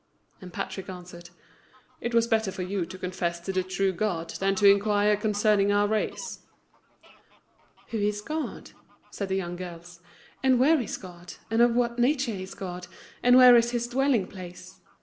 and Patrick answered, "It were better for you to confess to the true God than to inquire concerning our race." "Who is God?" said the young girls, "and where is God, and of what nature is God, and where is His dwelling place?